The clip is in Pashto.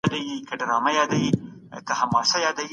علمي معیارونه باید وټاکل سي.